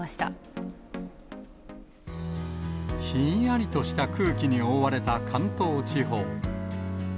ひんやりとした空気に覆われた関東地方。